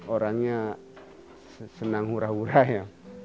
orangnya senang hura hura ya